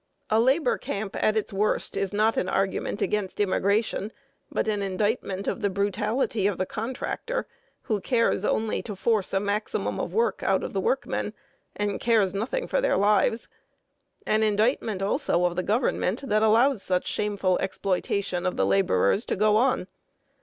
A labor camp at its worst is not an argument against immigration, but an indictment of the brutality of the contractor who cares only to force a maximum of work out of the workmen, and cares nothing for their lives; an indictment also of the Government that allows such shameful exploitation of the laborers to go on.